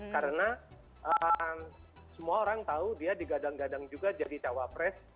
karena semua orang tahu dia digadang gadang juga jadi cawapres